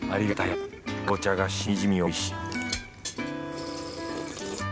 カボチャがしみじみおいしい